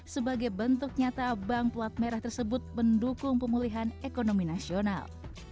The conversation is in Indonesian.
sebagai bentuk nyata bank pelat merah tersebut mendukung pemulihan ekonomi nasional